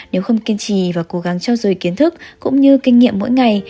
nếu không kiên trì và cố gắng cho dùi kiến thức cũng như kinh nghiệm mỗi ngày